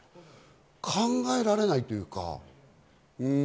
考えられないというか。